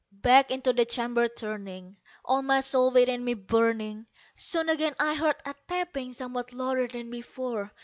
Back into the chamber turning, all my soul within me burning, Soon again I heard a tapping somewhat louder than before.